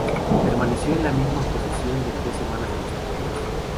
Permaneció en la misma posición por tres semanas consecutivas.